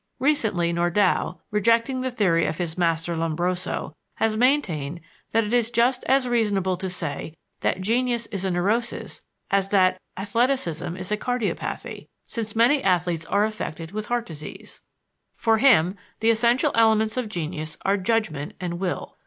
Recently, Nordau, rejecting the theory of his master Lombroso, has maintained that it is just as reasonable to say that "genius is a neurosis" as that "athleticism is a cardiopathy" because many athletes are affected with heart disease. For him, "the essential elements of genius are judgment and will."